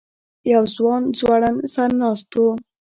یو ځوان ځوړند سر ناست و.